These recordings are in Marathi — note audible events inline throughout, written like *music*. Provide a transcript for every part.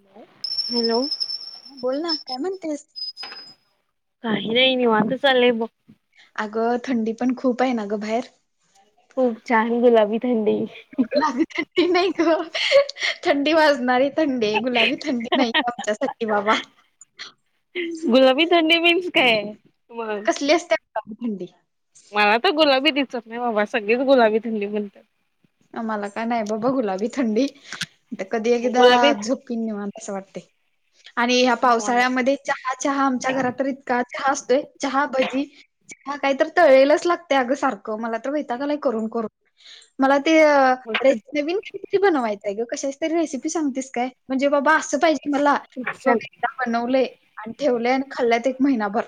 हॅलो! हॅलो हा बोल ना काय म्हणतेस काही नाही निवांत चाललयं ब अगं थंडी पण खूप आहे ना गं बाहेर खूप छान गुलाबी थंडी गुलाबी थंडी नायं ग थंडी वाजणारी थंडी ये गुलाबी थंडी नाहीये आमच्यासाठी बाबा गुलाबी थंडी मीन्स काय म प्लेस *unintelligible* थंडी मला त गुलाबी दिसत नायं बाबा सगळीच गुलाबी थंडी बोलत्यात. आम्हाला काय नायं बाबा गुलाबी थंडी त कधी मग एकदा गुलाबी झोप पीन निवांत अस वाटतयं आणि ह्या निवांत पावसाळ्यामध्ये चहा चहा आमच्या घरात इतका चहा असतोय चहा भजी म कायं तर तळेलेच लागतयं अग सार ख मला तर वैताग आलाय करून करून मला ते रेस नवीन किती बनवायय गे कशाच तरी रेसिपी सांगतेस काय म्हणजे बाबा असं पाहिजे मला *unintelligible* बनवलयं आणि ठेवलयं आणि खाल्लेत एक महिनाभर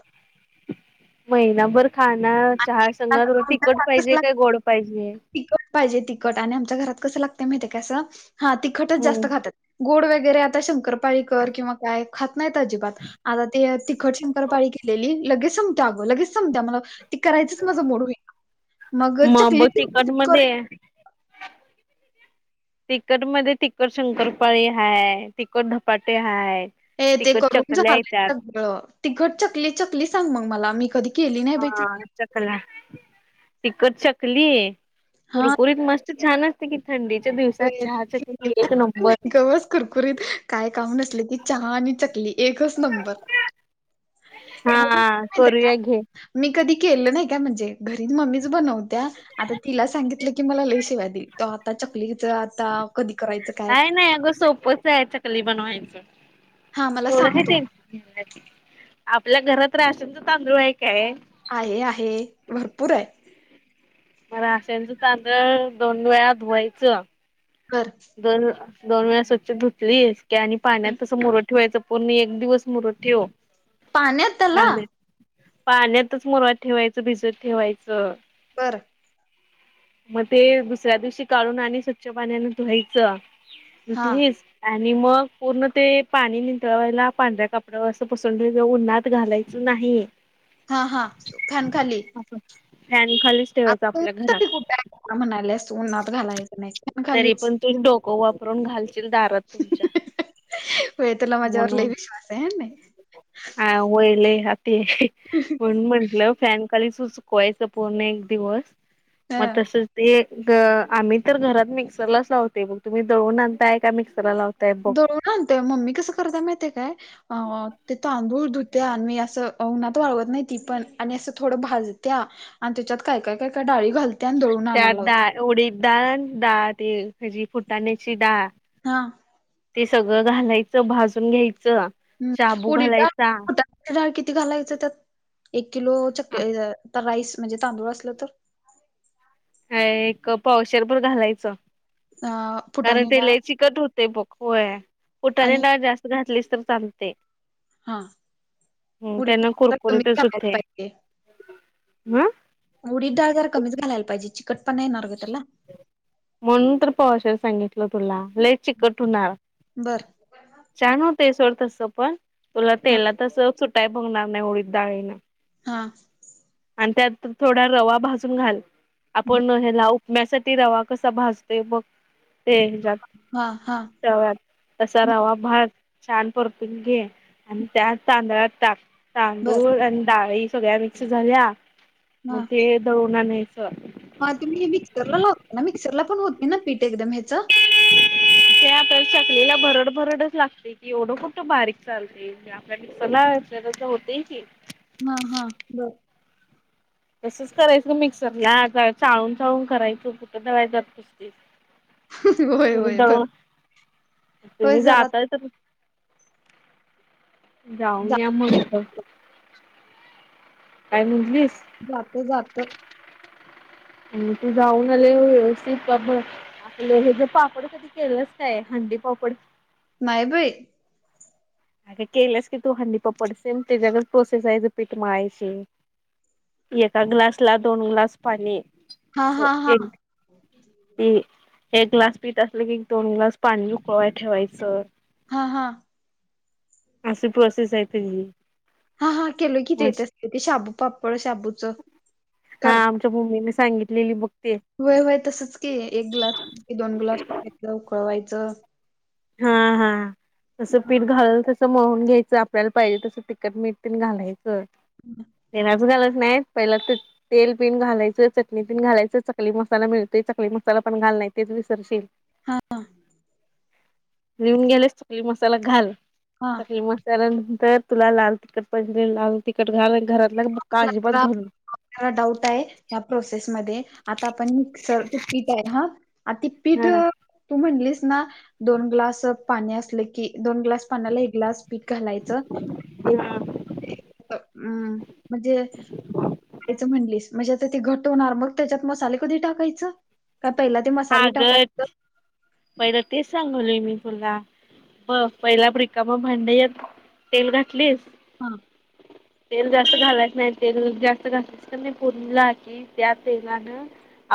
महिनाभर खाण चहा संग आता तुला आमच्या तिखट घरात कसं पाहिजे काय लागतं गोड पाहिजे. तिखट पाहिजे तिखट आणि आमच्या घरात कसं लागतयं माहतीय असं हा तिखटच मग जास्त खातात गोड वगैरे आता शंकरपाळीकर किंवा काय खात नाहीत अजिबात आता ते तिखट शंकरपाळी केलेली लगेच संपते अगो लगेच संपत्या मला ते करायचंच माझ मुड होईना मग चकली बघ *unintelligible* करी किती शिट्टया? तिकट मध्ये तिखट शंकरपाळी हायं तिकट धपाटे हायं. ये ते करून झालंय सगळं तिखट चकली चकली सांग मग मला मी कधी केली नाही बाई हा चकली. चकल्या तिकट चकली हा कुरकुरीत मस्त छान असते की थंडीच्या दिवसात होय. चहासाठी एक नंबर गवस कुरकुरीत काय काम नसल की चहा आणि चकली एकच नंबर. हा माहिती का करूया घे. मी कधी केलं नायं का म्हणजे घरी मम्मीच बनवत्या आता तिला सांगितलं की मला लई शिव्या देईल त आता चकलीच कधी करायचं काय? नायं नायं अगं सोपंच आहे. चक चकली हा बनवायचं मला एवढं काय सांगतो तेनं *unintelligible* आपल्या घरात राशनच तांदूळ हाय काय आहे आहे भरपूर हाय. म राशनच तांदळ दोन वेळा धुवायचं. कर दर दोन वेळा स्वच्छ धुतलीस की आणि पाण्यात तसं मुरत ठेवायच पूर्ण एक दिवस मुरत ठेव पाण्यात त्याला पाण्यात पाण्यातच मुरवत ठेवायचं भिजत ठेवायचं बर म ते दुसऱ्या दिवशी काढून आणि स्वच्छ पाण्यान धुवायचं‌. हा धुतलीस आणि मग पूर्ण ते पाणी निंतळवायला पांढऱ्या कपड्यावर असं पसरून ठेवाच उन्हात घालायच. च नाही. हा हा फॅन खाली असं फॅन खालीच. ठेवायचं आता ऊन आपल्या *unintelligible* तरी घरात कुठ आहे म्हणा म्हणायलेस उन्हात घालायचं नाही फॅन तरी खालीच पण तु डोक वापरून घालशील दारात तुमच्या. होय तुला माझ्यावर लई विश्वास आहे नाय. हा व्हय लई हा ते. *inaudible* म्हणुन म्हंटलं फॅनखाली सुकवायच पूर्ण एक दिवस मग हं तसच. ते ग आम्ही तर घरात मिक्सरलाच लावते बघ तुम्ही दळून आणताय का मिक्सरला लावतय? दळून आणतेय मम्मी कसं करतात माहितीये काय. अ ते तांदूळ धुत्या आणि मी असं उन्हात वाळवत नाही ती पण आणि असं थोडं भाजत्या. आणि त्याच्यात काय काय काय काय डाळी घाल. त्यात डाळ उडीद डाळ डाळ ती हेची फुटाण्याची डाळ हा. ते सगळं घालायचं भाजून घ्यायचं. हम्म शाबू उडीद घालायचा डाळ उडीद डाळ किती घालायचं त्यात एक किलो चक राईस म्हणजे तांदूळ असलं तर? काय एक पावशेर भर घालायचं. अ कारण फुटाणे ते डाळ लय चिकट होते बघ होय फुटाण्याची आणि डाळ जास्त घातलीस तर चालते. हा ह उडीद त्यांन डाळ तर कमीच कुरकुरीतच घालायला होतंय पाहिजे हम्. उडीद डाळ जरा कमीच घालायला पाहिजे चिकट पण येणार ग त्याला. म्हणून तर पवाशेर सांगितलं तुला लय चिकट होणार. बर छान होते सोड तसं पण तुला हा तेलातच सुटाय बघणार नाही उडीद डाळीला. हा. आणि त्यात थोडा रवा भाजून घाल आपण हे लावू. म्यासाठी रवा कसा भासतेय मग ते हयाच्यात. हा हा तव्यात तसा रवा भाज छान परतून घे. आणि त्या तांदळात टाक बर तांदूळ आणि डाळी सगळ्या मिक्स झाल्या. मग ते दळून आणायचं. मग तुम्ही हे मिक्सर लावते ना मिक्सरला पण होते ना पीठ एकदम ह्याच *inaudible* ते आपल्याला चकलीनं भरड भरडचं लागते, एवढं कुठं बारीक चालते. ते आपला मिक्सर ला असतय तसं होतंय की. हां हां बर. तसच करायचं मिक्सरला जरा चाळून चाळून करायचं, कुठं दळायला जातीस. होय तुम्ही होय बर दळून होय तुम्ही जरा जातायसाचं कुठं? जाऊन जात या मग नंतर. काय म्हटलीस? जातं जातं. आणि ते जाऊन आले व्यवस्थित पापड. आपलं हयाच पापड कधी केलंयच काय हंडी पापड?? नाही बाई. अगं केल्यास, की तू हंडी पापड सेम त्याजागद प्रोसेस आहे, ह्याज पिट मळायची. एका ग्लासला दोन ग्लास पाणी. हां हां हा ती एक ग्लास पीत असलं की, दोन ग्लास पाणी उकळवाया ठेवायचं. हां हां. असं प्रोसेस हाय, त्यांनी हां हां केलोय की ते तसलं, ते शाबू पापड, शाबूच कर- तुमच्या मम्मीने सांगितलेली बघ ते- होय होय तसचं की, एक ग्लास पिठी, दोन ग्लास मैदा उकळवायचं. हां हां, जसं पीठ घाललं तसं ट्ट मळून घ्यायचं, आपल्याला पाहिजे तसं तिखट मीठ ते घालायचं, तेलात घालायचं नाही. पहिला तेत तेलपीन घालायचं, चटणीपीन घालायचं, चकली मसाला मिळतोय, चकली मसाला पण घाल नाही तर तेचं विसरशील हां हां. लिहून घ्याल्यास चकली मसाला घाल, चकली मस त्यानंतर तुला लाल तिखट पाहिजे, लाल तिकट घाल, घरातला बुक्का अजिबात घालू नक त्याला डाऊट आहे, ह्या प्रोसेस मधे, आता आपण सर पीट पीट आहे, हं. आती पीठ हा अ तू म्हणलीस ना, दोन ग्लास पाणी असलं की, दोन ग्लास पाण्याला एक ग्लास पीठ घालायचं, ते अ अम् म्हणजे याच म्हणलीस, म्हणजे आता ते घट्ट होणार, मग त्याच्यात मसाले कधी टाकायचं? का पहिला ते मसाले टाकायचं? पहिल तेचं सांगलोय मी तुला. प-पहिला आप रिकाम भांड यात तेल घातली. ह्म. तेल जास्त घालायच नाही, तेल जास्त घातलीस तर ते *unintelligible* *inaudible* त्या तेलाणं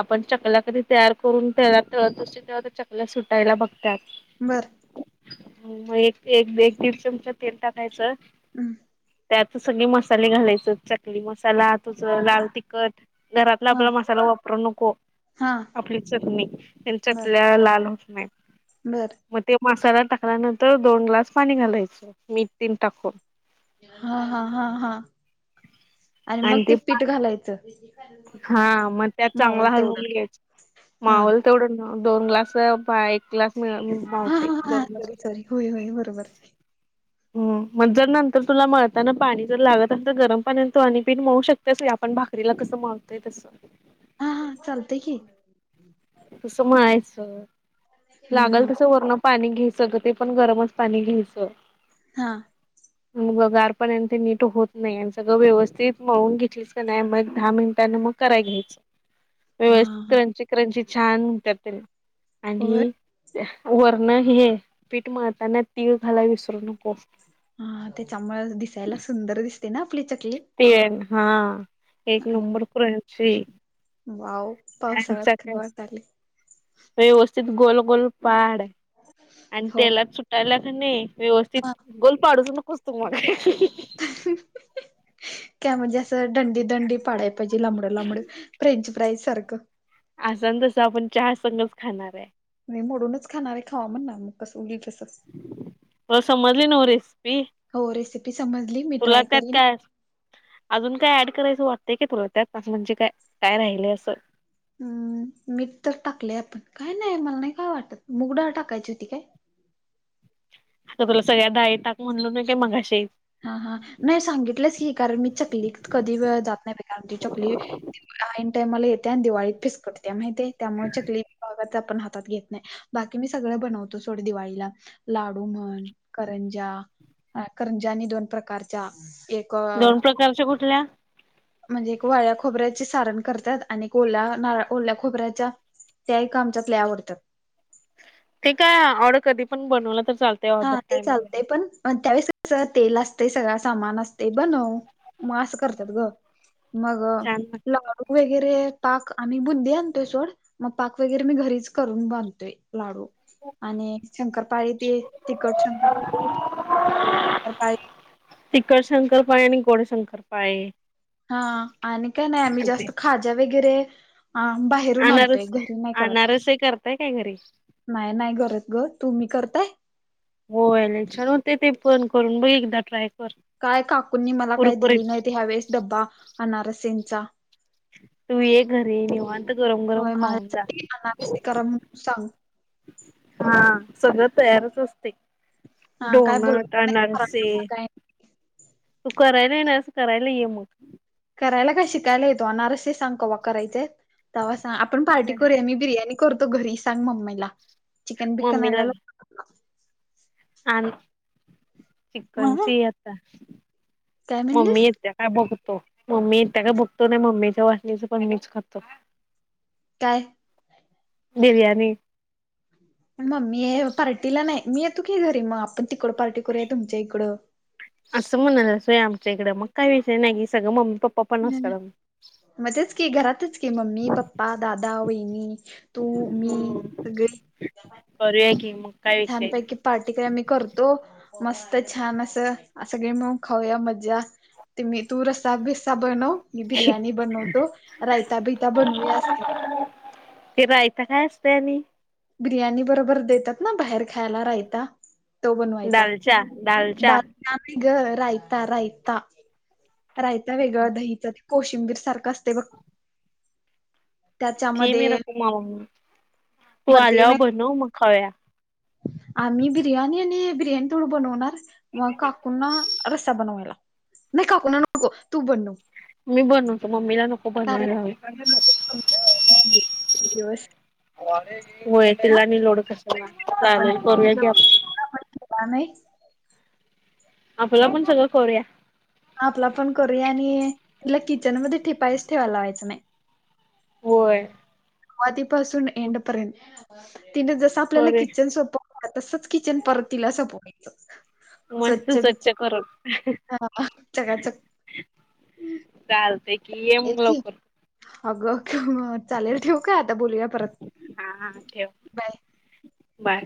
आपण चकल्या कधी तयार करून, तेलात तळत असतोय, तेव्हा त्या चक ल्या सुटायला बघत्यात. बरं. मग एक-एक-एक दीड चमचं तेल टाकायचं, हं, त्यातच सगळी मसाले घालायचं, चकली मसाला तुझं लाल तिखट. घरातला हा आपला मसाला वापरू नको, हा आपली चटणी, त्यानं चकल्या लाल होत नही. बरं. मग ते मसाला टाकल्यानंतर, दोन ग्लास पाणी घालायचं मीठ तेनं टाकून. हां हां हां हां आणि मग ते पीठ घालायचं? हां मग त्या मावल चांगला तेवढं हलवून घ्यायचं, हा मावल तेवढ मग दोन ग्लास, पा एक ग्लास मधे हा मावतय, हा हा दोन ग्लास सॉरी होतात. सॉरी होय होय बरोबर. हम्म. मग जर नंतर तुला मळताना पाणी जर लागत अस, तर गरम पाण्यान तू आणी पीठ मळू शकतेस की आपण भा करीला कसं मळतोय, तस. हां हां चालतय की. *inaudible* तसं माळायचं, हम्म लागल हम्म तसं वर्ण पाणी घ्यायचं ग, ते पण गरमच पाणी घ्यायचं. हां. *inaudible* *inaudible* मग गार पाण्यानं ते नीट होत नाही, आणि सगळं व्यवस्थित मिळून घेतलीस की नाही, मग दहा मिनिटानं मग- करायला घ्यायचं. हा व्यवस्थित हा क्रंची क्रंची छान होत्यात होय आणि वरण हे पीठ मळताना तीळ घालायला विसरू नकोस. हा त्याच्यामुळे दिसायला सुंदर दिस तीन आपली चकी ते हा एक आणि नंबर क्रंची वाव त्यांचा पावसाळ्यात थंड काय वाजालेय व्यवस्थित गोल गोल पाड आणि हो तेलात सुटायला कणी हा व्यवस्थित गोल पाडूच नकोस तु मग. काय मजाच दंडी दंडी पाडाय पाहिजे लांबडं लांबड फ्रेंच फ्राईज सारखं. अस आणि तसं आपण चहा संघच खाणार हाय. नाही मोडूनच खाणार खावा म्हणणार ना मग कसं होईल तसं. तुला समजली नव रेसेपी. हो रेसिपी समजली मी ट्राय करीन. काय अजून काय ऍड करायचं वाटतय की तुला त्यातं म्हणजे काय काय राहिलय असं. हम. मीठ तर टाकलेय आता काय नाही मला नाही काय वाटत मुगडाळ टाकायची होती काय? तुगरो सगळ्या डाळी टाक म्हणलो नाही का मगाशी. हा हा नाही सांगितल्यास की कारण मी चकली कधी वेळा जात नाही कारण ती चकली आईन टायमाला येत्या आणि दिवाळीत फिस्कटत्या माहिती आहे त्यामुळे चकली त्या आपण हातात घेत नाही, बाकी मी सगळं बनवतो सोड दिवाळीला. लाडू म्हण करंजा करंजा आनी दोन प्रकारच्या एक अ, दोन प्रकारच्या कुठल्या? म्हणजे एक वाळ्या खोबऱ्याची सारण करत्यात आणि ओल्या नार ओल्या खोबऱ्याच्या त्या एक आमच्यात लई आवडत्यात. ते काय ऑड कधीपण बनवलं तर चालत हा चालतंय पण त्यावेळेस कसं तेल असतंय सगळ सामान असतंय बनव मग अस करत्यात ग. मग छान लाडू वगैरे पाक आणि बुंदी आणतोय सोड मग पाक वगैरे मी घरीच करून बांधतोय लाडू. आणि शंकरपाळी ते तिखट शंकरपाळी गोड शंकरपाळी तिखट शंकरपाळी आणि गोड शंकरपाळे. हा आणि काय नाही, आम्ही जास्त खाज्या वगैरे हा बाहेरून आणतोय अनारस घरी नाही करत. अनारस हे करताय काय घरी नाही नाही करत ग तुम्ही करताय? होय लई छान वाटतय ते पन करून बघ एकदा ट्राय कर. काय काकूंनी मला काय दिली कुरकुरीत नाहीत ह्या वेळेस डब्बा अनारसेंचा. तू ये घरी निवांत गरम गरम होय खाऊन जा. माझ्यासाठी अनारसे करा म्हणून सांग हा सगळं तयारच असते. हा काय डोनट बोलवत अनरसे. नाही तू करायला येणारस करायला ये मग. करायला काय शिकायला येतो, अनारसे ते सांग कवा करायचेत तेव्हा सांग आपण पार्टी करूया मी बिर्याणी करतो घरी सांग मम्मीला चिकन बिकन आ मम्मीला आण म चिकनची आता काय मम्मीे म्हणलीस त्या काय बघतो मम्मी त्या काय बघतो ना मम्मीच्या वासनीच पण मीच खातो. काय. बिरयाणी. मम्मी हाय पार्टीला नाही मी य तू की घरी मग आपण तिकडं पार्टी करूया तुमच्या इकडं. असं म्हणाल असोय आमच्या इकड मग काही विषय नाही की सगळं मम्मी पप्पा पण आसतात हम्म आमचं. मग तेच की घरातच की मम्मी पप्पा दादा वहिणी. तू मी असतात सगळे. करूया की मग. काय विषय नाही. छानपैकी. पार्टी काय आम्ही करतो मस्त छान असं सगळे म खाऊया मज्जा. ते मी तू रसा बेसा बनव मी बिर्याणी बनवतो रायता बिता बनवूया असेल. ते रायता काय असतयनी? बिर्याणी बरोबर देतात ना बाहेर खायला रायता. तो बनवायचा दालच्या द. दालच्या नाम ग रायता रायता रायता वेगळं दहीच. कोशिंबीर सारखं असते बघ. ती *unintelligible* मी त्याच्यामध्ये रकू मा तू भरते आल्यावर नाही बनव मग खाव्या. आम्ही बिर्याणी आणि बिर्याणी थोड बनवणार मग काकूंना रस्सा बनवायला लाव. नाही काको ना नको तू बनव. मी बनवतो मम्मीला नको बनवायला लावू. *inaudible* यश होय तिलानी लोड कशाला चालेल करूया की आपन. *inaudible* क आपल आपण सगळं करूया. हा आपला पण करूया आणि तीला किचनमध्ये ठिपाईस ठेवाय लावायचं नाही. होय. सुरवातीपासून एड पर्यंत तिन जस आपल्याला करूया किचन सोपवल तसच. किचन परत तीला सोपवयच. मस्त स्वच्छ करून. हा, चकाचक चालते की ये मग लवकर. अग ख *inaudible* चालेल ठेवू काय. हा हा ठेव बाय बाय.